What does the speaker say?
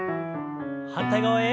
反対側へ。